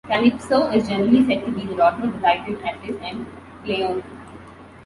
Calypso is generally said to be the daughter of the Titan Atlas and Pleione.